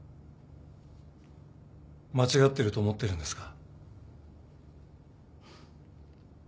間違ってると思ってるんですか？